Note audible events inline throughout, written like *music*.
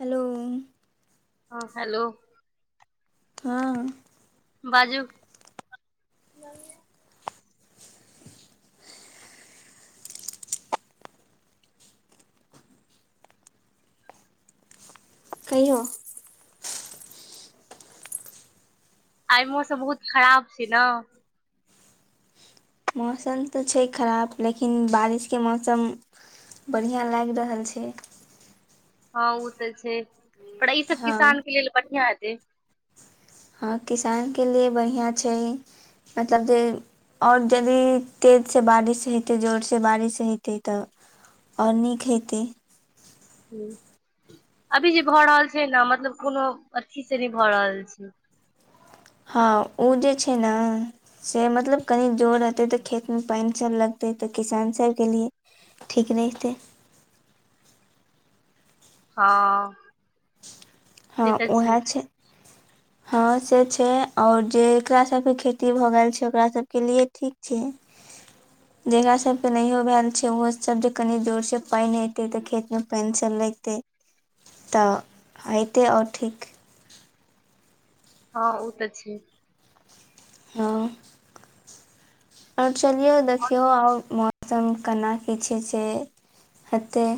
Hello! ह, hello! हँ बाजू *unintelligible* कहियौ आइ मौसम बहुत खराब छै न। मौसम तऽ छै खराब लेकिन बारिशके मौसम बढ़ियां लागि रहल छै। हँ उ तऽ छै, पर ई सब हँ किसान के लेल बढ़ियां हेतै। हँ किसानके लिए बढ़ियां छै, मतलब दे अओर यदि तेजसँ बारिश हेतै, जोरसँ बारिश हेतै तऽ आओर नीक हेतै। हम्म अभी जे भऽ रहल छै न, मतलब कोनो अथी से नहि भऽ रहल छै। हँ ओ जे छै न से मतलब कनि जोर रहतै त, खेतमे पानिसब लगतै त किसानसबके लिए ठीक रहितै। हँ हँ से तऽ उहैं छै। *inaudible* हँ से छै, और जेकरा सबके खेती भऽ गेल छै, ओकरा सबके लिए ठीक छै। *inaudible* जकरा सबके नहियो भेल छै, ओहो सब जे कनि जोरसँ पानि हेतै तऽ खेतमे पानि सब लैगतय। तऽ हेतै आओर ठीक। हँ उ त छै। हँ आओर चलियौ, देखियौ औ मौ सम केना की छै से हतै।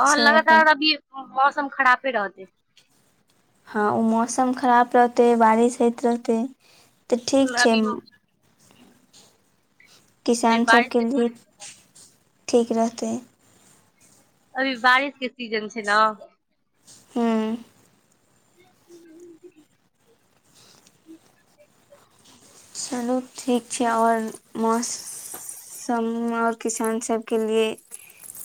हं लगातार अभी मौसम खरापे रहतै। हँ ओ मौसम खराब रहतै, बारिश होइत रहतै तऽ ठीक छै। अभी अभी किसान बारिश सबके के लिए सीजन छै ठीक रहतै। अभी बारिश के सीजन छै न। हम्म *inaudible* चलू ठीक छै, आओर मौस सम आओर किसान सबके लिए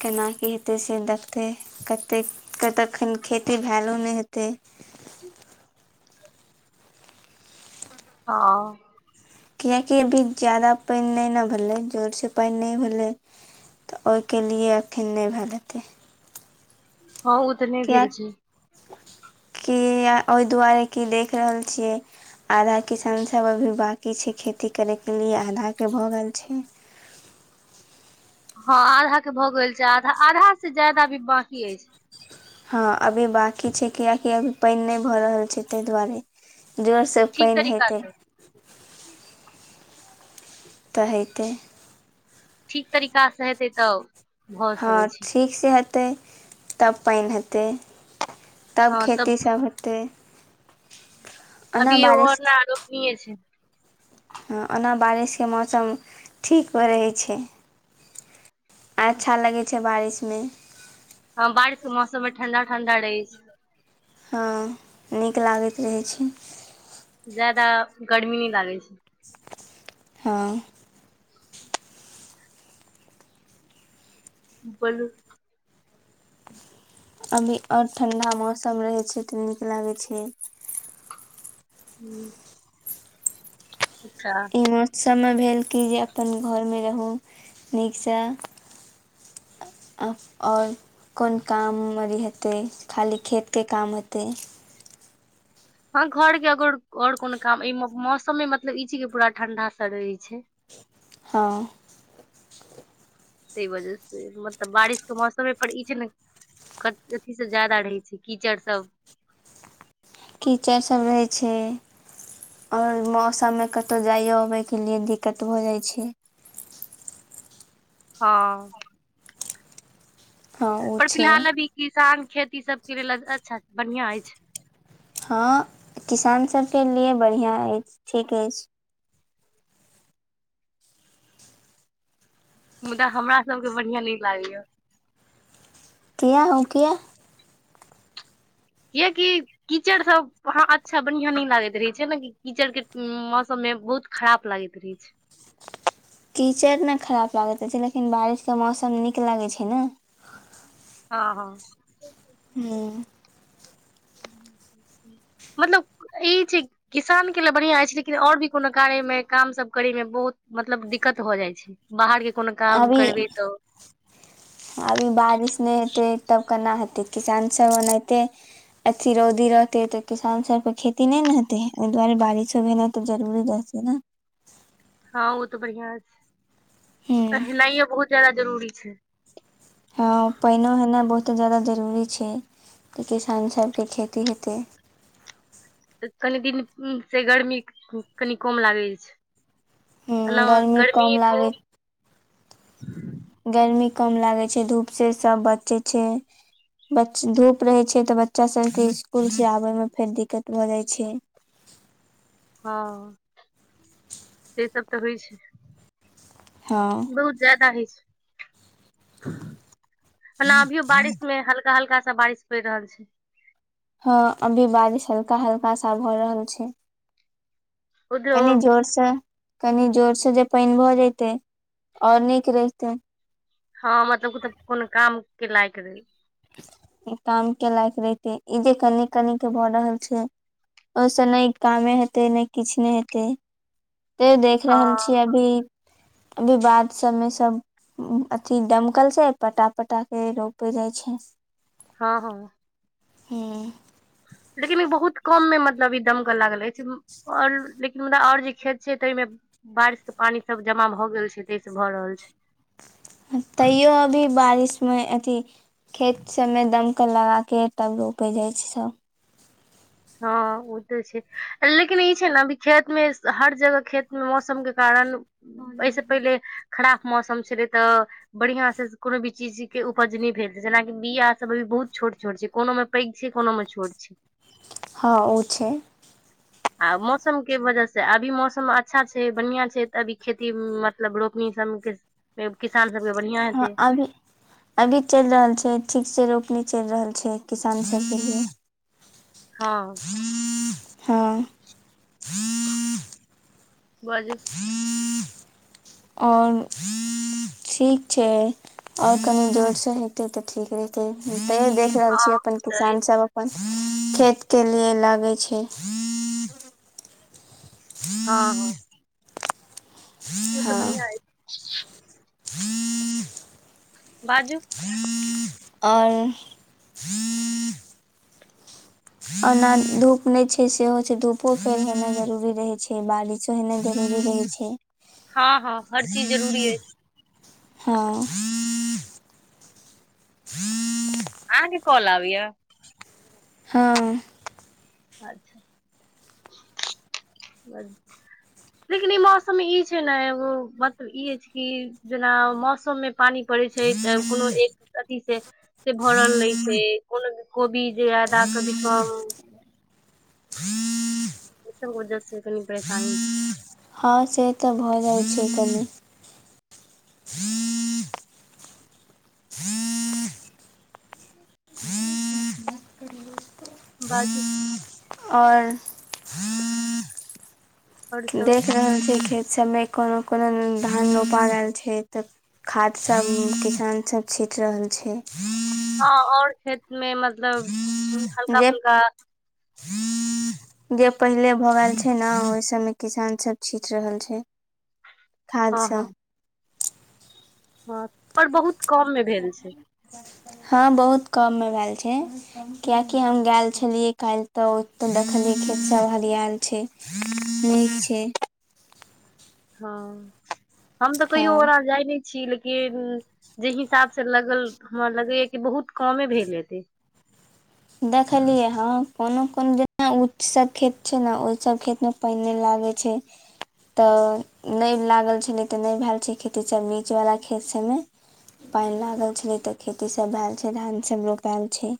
केना की हेतै से देखतै। कतेक के अखन खेती भैलो नहि हेतै। जी हँ कियाकि अभी ज्यादा पानि नहि न भेलै, जोरसँ पानि नहि भेलै। तऽ ओहिके लिए अखन नहि भैल हेतै। हँ उ तऽ नहि भेल छै। किया ओहि दुआरे कि देख रहल छियै आधा किसान सब अभी बाकी छै, खेती करैके लिए आधाके भऽ गेल छै। हँ आधा के भऽ गेल छै, आधा-आधा से ज्यादा अभी बांकी अइछ। हँ अभी बाँकी छै, कियकि अभी पानि नहि भऽ रहल छै तहि दुआरे। जोर से ठीक पैनि तरीका हेतै। सँ तऽ हयतै। ठीक तरीकास हेतै तब हँ ठीकसे हेतै तब पाइन हेतै। तब खेती सभ होतै। अभी बारिश *unintelligible* रोपनीये छै। ओना बारिशके मौसम ठीको रहै छै। आच्छा लगै छै बारिशमे। हँ बारिश के मौसम मे ठंडा ठंडा रहै छै। हँ नीक लागैत रहै छै। ज्यादा गर्मी नै लागै छै। हँ बोलू अभी और ठण्डा मौसम रहै छै तऽ नीक लागै छै। हूं अच्छा ई मौसम मे भेल कि जे अपन घोर मे रहु नीकस आ आओर कोन काम अरी हेतै खाली खेतके काम हेतै। हँ घर के अगर और कोनो काम अइ मौसममे मतलब ई चीज के पूरा ठंडा से रहे छै। हँ तै वजह से मतलब बारिशके मौसम पर ई छै ने कत अथी सब ज्यादा रहै छै कीचड़ सब कीचड़ सब रहै छै। और मौसममे कतौ जाइयो अबयके लिए दिक्कत भऽ जाइ छै। हँ हँ ओ पर छै फिलहाल अभी किसान खेती सभ के लेल अच्छा बढ़ियां अछि। हँ किसान सभके लिए बढ़ियां अइछ ठीक अइछ। मुदा हमरा सब के बढ़िया नै लागै य। कियै ओ कियै। कियेकि कीचड़ सभ वहां अच्छा बढ़िया नै लागैत रहे छै ने कीचड़ के मौसम मे बहुत खराब लागैत रहै छै। कीचड़ ने खराब लागैत रहै छै, लेकिन बारिशके मौसम नीक लागै छै, ने हँ हँ हूं मतलब ई छै किसानके ले बढ़िया अइछ लेकिन और भी कोनो कार्यमे कामसभ करयमे बहुत मतलब दिक्कत भऽ जाइ छै। बाहर के कोनो काम अभी करबै तऽ अभी बारिश नै हेतै तब केना हेतै किसानसभ ओनाहिते अथी रौदी रहतै तऽ किसान सभ के खेती नै ने हेतै एहि दुआरे बारिशो भेनाइ तऽ जरूरी रहै छैने हँ ओ तऽ बढ़ियां छै। हूँ पहीरनाइयै बहुत ज्यादा जरूरी छै। हँ पाईनो होेनाइ बहुते ज्यादा जरूरी छै। की किसान सभके खेती हेत तऽ कनि दिन से गर्मी कनि कम लागै अछि। हूँ हेलो गर्मी, कम लागै धुप गर्मी कम लागे छै धूप से सब बचे छै। बच धूप रहै छै तऽ बच्चा सबके स्कुल से आबयमे फेर दिक्कत भऽ जाइ छै। हँ, से सब तऽ होइ छै। हँ बहुत ज्यादा ही *inaudible* ला भीयो बारिश में हल हल्का - हल्का सा बारिश पइड़ रहल छै। हँ अभी बारिश हल्का-हल्का सा भऽ रहल छै। उधरो कनी जोर स कनी जोर सँ जे पाइन भऽ जेतै ओर नीक रहितै। हँ मतलब कोतो कोनो काम के लायक रहे काम के लायक रहिते, ई जे कनी कनी के भऽ रहल छै। ओइस नइ कामे हेतै नै किछ नै हेतै। ते देख हँ रहल छी अभी जे बाद सभमें सब हम्म अथि दमकल से पटा पटा के रोपे जाइ छै। हँ हँ हम्म लेकिन ई बहुत कम मे मतलब ई दमकल लागल रहे छै। ओर लेकिन मुदा ओर जे खेत छै ताइ मे बारिश के पानी सब जमा भऽ गेल छै तेसँ भऽ रहल छै। तयो अभी बारिश मे अथी खेत सभ मे दमकल लगा के तब रोपै जाइ छै। हँ ओते छै, लेकिन ई छै न अभी खेत मे हर जगह खेत मे मौसम के कारण ओयिसे पहिले खराक मौसम छलए त बढ़ियां से कोनो भी चीजी के उपज ने भेल रहे जेनाकी बिया सब अभी बहुत छोट छोट छै कोनो मे पैघ छै कोनो मे छोट छै। हँ ओ छै आ मौसम के वजह से अभी मौसम अच्छा छै बढ़िया छै तऽ अभी खेती म लब रोपनी सब के किसान सब के बढ़िया हँ हेतै। अभी अभी चइल रहल छै ठीक से रोपनी चइल रहल छै किसान सबके लिए। हँ हँ बाजू? आओ ठीक छै ओर कनि जोर से हेतै तऽ ठीक रहते तऽ के एल हँ छिये अपन ओ तऽ किसान अछि सब अपन खेत के लिए लागे छै। हँ हँ ओ तऽ हँ बढ़िआ अइछ *inaudible* बाजू ओर ओना धूप नइ छै सेहो छै धूपो फेर होेना जरूरी रहै छै बारि जेहनै जरूरी रहै छै हँ हँ हर चीज जरूरी अइछ। हँ अहाँके काॅल आबेयै? हँ। अच्छा! ब लेकिन ई मौसम मे ई छै ने एगो, मतलब ई अछि कि जेना मौसम मे पानी पड़े छै, तऽ कोनो एक अथी से से भरल रहितै। कोनो दिन कोबी ज्यादा, कभी कम। ई सब वजह से, कनी परेशानी छै। हँ से तऽ भऽ जाइ छै कनी। बाजू। और। और सब देख रहल छी खेत सभमे, कोनो- कोनो दिन धान रोपा रहल छै, तऽ खाद सब किसान सब छीट रहल छै। *inaudible* आ और खेत मे, मतलब हल्का जे -फुल्का जे पहिले भए गेल छै ने, ओहि सबमे किसान सब छीट रहल छै। खाद हँ हँ सब। हँ, पर बहुत कम मे भेल छै। हँ, बहुत कम मे भेल छै। कियाकि हम गेल छलियै काल्हि तऽ, ओतऽ देखलियै खेतसभ हरियैल छै। *inaudible* ठीक छै। हँ, हम तऽ कहियो ओ ओना हँ जाय नहि छी, लेकिन जे हिसाब से लगल, हमरा लगैया कि बहुत कमे भेल हेतै। देखलियै हँ, कोनो- कोनो जेना उस्सट खेत छै ने, ओहि सब खेत मे पानि नहि लागै छै। तऽ नहि लागल छलै तऽ, नहि भेल छै खेती सब, बीच वाला खेत सभमे। पानि लागल छलै तऽ, खेती सब भेल छै, धान सब रोपायल छै।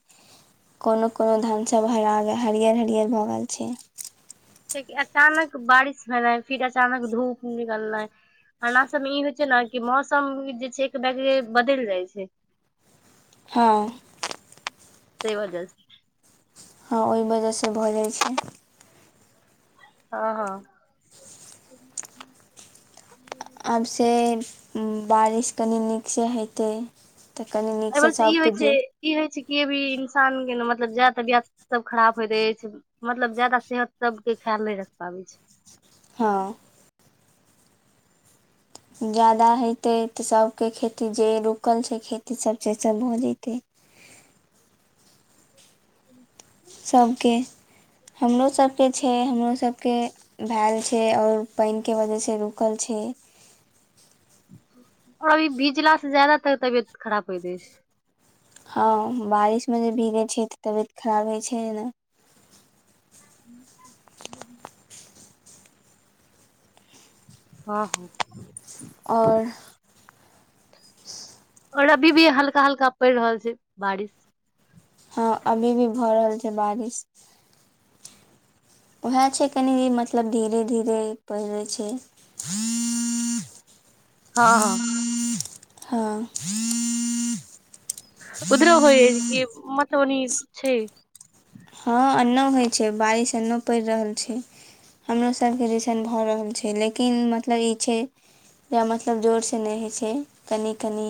कोनो- कोनो धान सभ, हरा हरियर -हरियर भऽ गेल छै। कियाकि अचानक बारिश भेलै, फिर अचानक धूप निकललै। हमरा सबमे ई होइ छै ने, कि मौसम जे छै, एक बैगे बदल जाइ छै। *inaudible* हँ। तै वजह से। हँ, ओहि वजहसँ भऽ जाइ छै। हँ -हँ। आब से बारिश कनि नीकसँ हेतै, तऽ कनि नीक। एहि वजह सँ ई होइ छै, ई होय छै कि, अभी इंसान के ने मतलब ज्यादा तबियत सब खराब होइत अछि। मतलब ज्यादा सेहत सब के ख्याल नहि रख पाबै छै। हँ। ज्यादा हेतै तऽ, सभके खेती जे रुकल छै, खेती सभ से सभ भऽ जेतै। सभके हमरो सभके छै, हमरो सभके भैल छै, और पानि के वजहसँ रुकल छै। और अभी भीजला से ज्यादातर तबियत खराब होइत अछि। हँ, बारिशमे जे भीगै छै तऽ, तबियत खराब होइ छै ने। *unintelligible* हँ- ह। और। और अभी भी, हल्का- हल्का पड़ि रहल छै, बारिश। हँ अभी भी भऽ रहल छै, बारिश। उएह छै कनि मतलब धीरे- धीरे पड़ि रहल छै। *inaudible* हँ- हँ। हँ। *inaudible* उधर होइए कि, मतलब ओ नि छै। हँ, एनो होइ छै, बारिश एनो पड़ि रहल छै। हमरो सभके रिसन भऽ रहल छै, लेकिन मतलब ई छै। या मतलब जोरसँ नहि होइ छै, कनि -कनि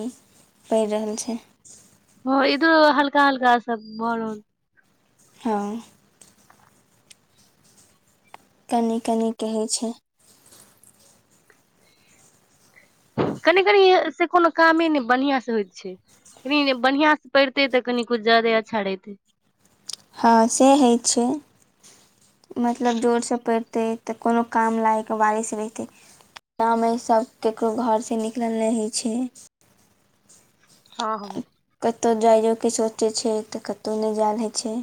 पड़ि रहल छै। ह इधरो हल्का -हलका सब भ रहल छै। हाँ। कनि -कनि के होइ छै। कनि -कनी से कोनो कामे नहि, बढ़िआं से होइत छै। कनि बढ़ियां से पढ़ते तऽ, कनि कछु ज्यादे अच्छा रहतै। हाँ से होइ छै। मतलब जोरसँ पड़तै, तऽ कोनो काम लागि लायक बारिश रहहितै। ग गामे सभ केकरो घरसँ निकलल नहि होइ छै। हँ- हँ। कतहु जाइयोके सोचै छै, तऽ कतहु नहि जायल होइ छै।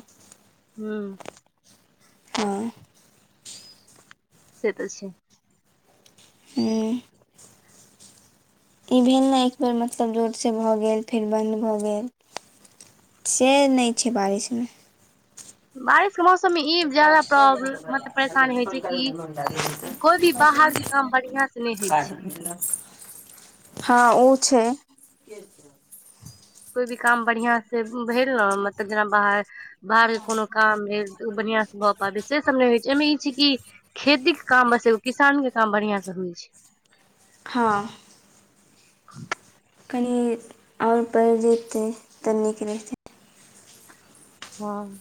हूँ। हँ से तऽ छै। हूँ। ई भेल ने एक बेर मतलब जोदसँ भऽ गेल, फेर बन्द भऽ गेल। से नहि छै बारिशमे। बारिश के मौसम मे ई जादा प्रॉब्लम मतलब परेशानी होइ छै कि कोइ भी बाहरके काम बढ़िआं से नहि होइ छै। हाँ ओ छै। के छै *unintelligible* कोइ भी काम बढ़िआं से भेल ने, मतलब जेना बाहर बाहर कोनो काम भेल तऽ, ओ बढ़िआं से भए पाबै से सब नहि होइ छै, एहिमे ई छै कि खेतीक के काम, बस एगो किसान के काम बढ़ियां से होइ छै। हाँ। कनि आओर पड़ि जेतै तऽ, नीक रहितै। हाँ।